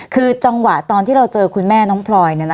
คือจังหวะตอนที่เราเจอคุณแม่น้องพลอย